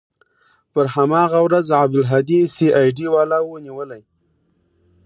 پر هماغه ورځ عبدالهادي سي آى ډي والاو نيولى.